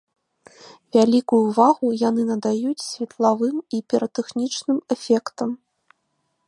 Вялікую ўвагу яны надаюць светлавым і піратэхнічным эфектам.